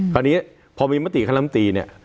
ตอนนี้พอมีมติขนาดมตีเนี่ย